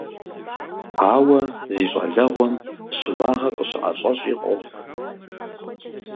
Ауэ зи щӀалэгъуэм щыуагъэ къыщыӀэщӀэщӀи къохъу.